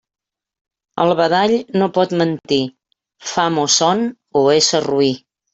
El badall no pot mentir: fam o son o ésser roí.